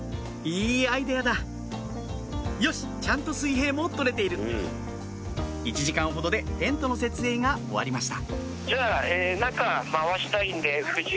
いいアイデアだよしちゃんと水平も取れている１時間ほどでテントの設営が終わりました